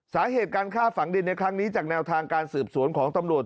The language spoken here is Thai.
สาเหตุการฆ่าฝังดินในครั้งนี้จากแนวทางการสืบสวนของตำรวจ